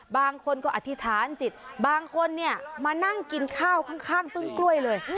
บางคนก็อธิษฐานจิตบางคนเนี่ยมานั่งกินข้าวข้างต้นกล้วยเลย